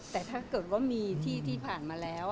แต่ถ้าเกิดว่ามีที่ผ่านมาแล้ว